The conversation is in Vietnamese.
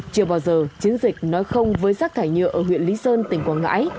chưa bao giờ chiến dịch nói không với rác thải nhựa ở huyện lý sơn tỉnh quảng ngãi